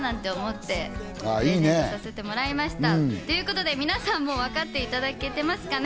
プレゼントさせていただきました、ということで皆さんもわかっていただけてますかね？